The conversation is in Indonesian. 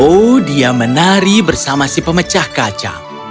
oh dia menari bersama si pemecah kaca